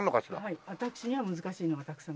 はい私には難しいのがたくさん。